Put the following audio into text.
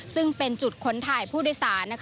ซึ่งเป็นจุดค้นถ่ายผู้โดยสาร